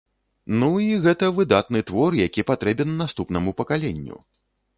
Ну, і гэта выдатны твор, які патрэбен наступнаму пакаленню.